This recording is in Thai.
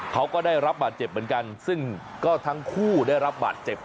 เขาก็ได้รับบาดเจ็บเหมือนกันซึ่งก็ทั้งคู่ได้รับบาดเจ็บ